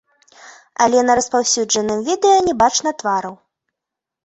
Але на распаўсюджаным відэа не бачна твараў.